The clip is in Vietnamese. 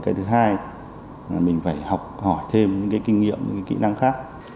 cái thứ hai là mình phải học hỏi thêm những cái kinh nghiệm những cái kỹ năng khác